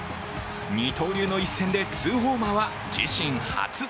二刀流の一戦でツーホーマーは自身初。